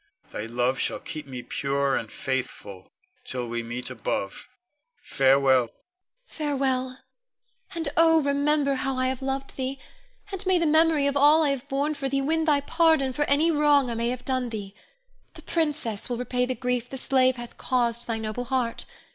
Thy love shall keep me pure and faithful, till we meet above. Farewell! Ione. Farewell! and oh, remember how I have loved thee; and may the memory of all I have borne for thee win thy pardon for any wrong I may have done thee. The princess will repay the grief the slave hath caused thy noble heart.